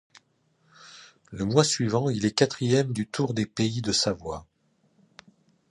Le mois suivant, il est quatrième du Tour des Pays de Savoie.